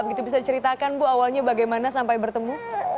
begitu bisa diceritakan bu awalnya bagaimana sampai bertemu